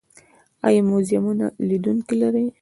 آیا موزیمونه لیدونکي لري؟